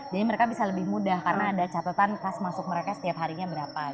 jadi mereka bisa lebih mudah karena ada catatan kas masuk mereka setiap harinya berapa